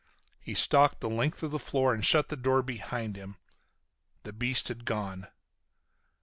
He stalked the length of the floor and shut the door behind him. The beast had gone.